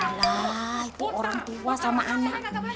nah itu orang tua sama anak